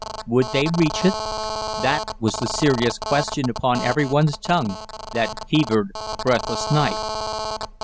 Would they reach it? That was the serious question upon every one's tongue that fevered, breathless night.